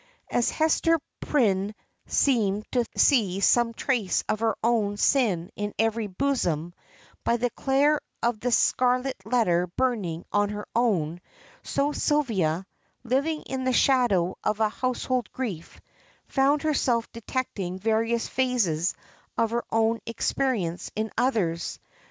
As Hester Prynne seemed to see some trace of her own sin in every bosom, by the glare of the Scarlet Letter burning on her own; so Sylvia, living in the shadow of a household grief, found herself detecting various phases of her own experience in others.